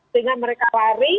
sehingga mereka lari